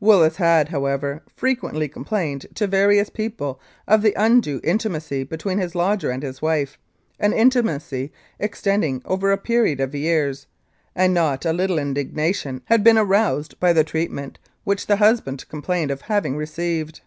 Willis had, however, frequently complained to various people of the undue intimacy between his lodger and his wife an intimacy extending over a period of years and not a little indignation had been aroused by the treat ment which the husband complained of having received.